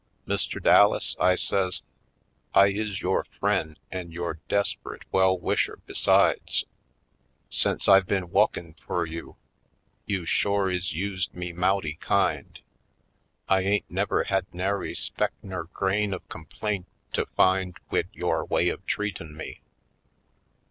"Mr. Dallas," I says, "I is yore frien' an* yore desperit well wisher, besides. Sence I been w^ukkin' fur you you shore is used me mouty kind. I ain't never had nary speck nur grain of complaint to find wid yore way of treatin' me.